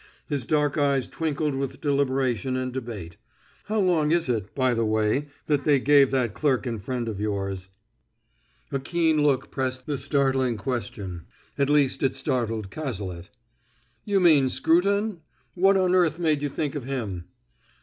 His dark eyes twinkled with deliberation and debate. "How long is it, by the way, that they gave that clerk and friend of yours?" A keen look pressed the startling question; at least, it startled Cazalet. "You mean Scruton? What on earth made you think of him?"